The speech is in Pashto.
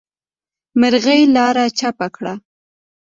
مرغۍ لاره چپه کړه.